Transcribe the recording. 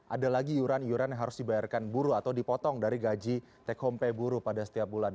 ada lagi iuran iuran yang harus dibayarkan buruh atau dipotong dari gaji take home pay buruh pada setiap bulan